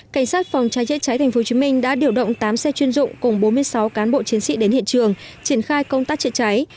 cảnh sát phòng cháy chữa cháy tp hcm đã điều động tám xe chuyên dụng cùng bốn mươi sáu cán bộ chiến sĩ đến hiện trường triển khai công tác chữa cháy